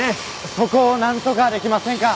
そこをなんとかできませんか？